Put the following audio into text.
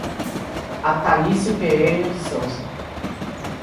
Atalicio Pereira de Sousa